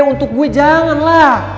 untuk gue jangan lah